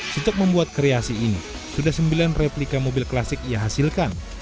untuk membuat kreasi ini sudah sembilan replika mobil klasik ia hasilkan